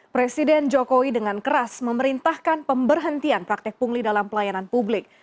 presiden jokowi dengan keras memerintahkan pemberhentian praktek pungli dalam pelayanan publik